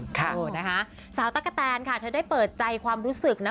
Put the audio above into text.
ค่ะนะคะสาวตั๊กกะแตนค่ะเธอได้เปิดใจความรู้สึกนะ